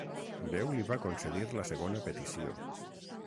Déu li va concedir la segona petició.